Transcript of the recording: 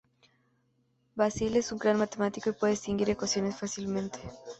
Basil es un gran matemático y puede distinguir ecuaciones fácilmente.